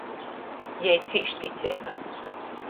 Jei cīš ticeiga.